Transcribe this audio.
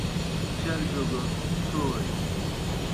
چربِیو گہ ڇوئے۔